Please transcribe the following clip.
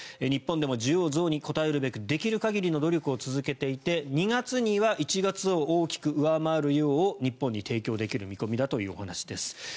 日本でも需要増に応えるべくできる限りの努力を続けていて２月には１月を大きく上回る量を日本に提供できる見込みだという話です。